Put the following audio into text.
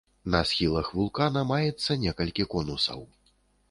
На схілах вулкана маецца некалькі конусаў.